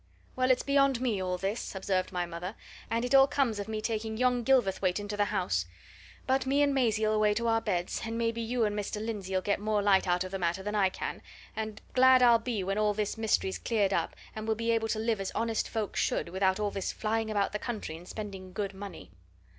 "Well, it's beyond me, all this," observed my mother, "and it all comes of me taking yon Gilverthwaite into the house! But me and Maisie'll away to our beds, and maybe you and Mr. Lindsey'll get more light out of the matter than I can, and glad I'll be when all this mystery's cleared up and we'll be able to live as honest folk should, without all this flying about the country and spending good money."